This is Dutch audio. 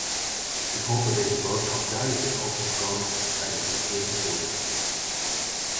Ik hoop dat deze boodschap duidelijk is overgekomen bij de fungerend voorzitter.